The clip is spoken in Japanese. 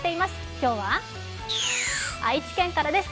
今日は愛知県からです。